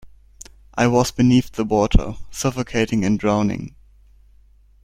I was beneath the water, suffocating and drowning.